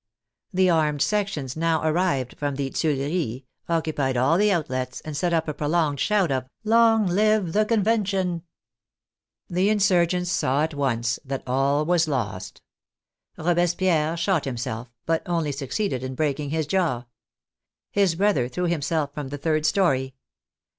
The armed sections now arrived from the Tuileries, occupied all the outlets, and set up a prolonged shout of " Long live the Convention !" The insurgents saw at once that all was lost. Robespierre shot himself, but only succeeded in breaking his jaw. His brother threw himself from the third story.